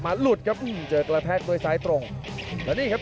โอ้โหนี่ครับเปิดฉากมาครับ